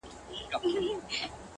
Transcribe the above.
پر ښايستوكو سترگو _